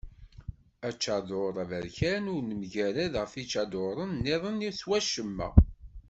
Aččadur aberkan ur nemgarad ɣef yiččaduren niḍen s wacemma.